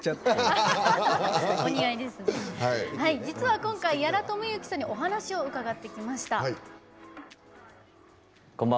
実は今回、屋良朝幸さんにお話を伺ってきました。